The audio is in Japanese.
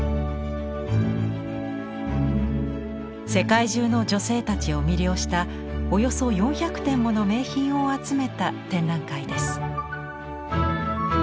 世界中の女性たちを魅了したおよそ４００点もの名品を集めた展覧会です。